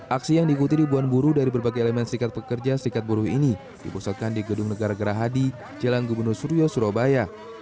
aksi yang diikuti ribuan buruh dari berbagai elemen serikat pekerja serikat buruh ini dipusatkan di gedung negara gerahadi jalan gubernur suryo surabaya